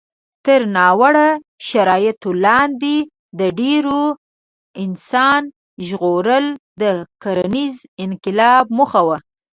تر ناوړه شرایطو لاندې د ډېرو انسان ژغورل د کرنيز انقلاب موخه وه.